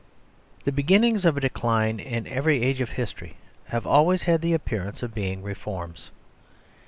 The beginnings of a decline, in every age of history, have always had the appearance of being reforms.